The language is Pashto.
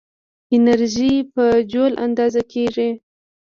انرژي په جول اندازه کېږي.